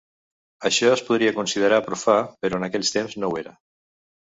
Això es podria considerar profà, però en aquells temps no ho era.